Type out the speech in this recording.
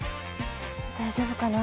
大丈夫かな。